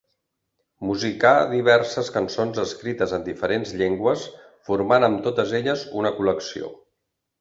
Musicà diverses cançons escrites en diferents llengües, formant amb totes elles una col·lecció.